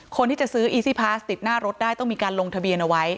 คนที่จะซื้ออีซี่พาสติดหน้ารถได้ต้องมีการลงทะเบียนเอาไว้